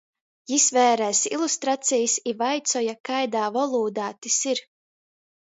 Jis vērēs ilustracejis i vaicuoja, kaidā volūdā tys ir.